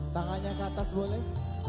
tangannya keatas boleh